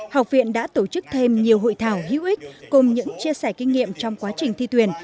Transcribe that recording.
học viện đã tổ chức thêm nhiều hội thảo hữu ích cùng những chia sẻ kinh nghiệm trong quá trình thi tuyển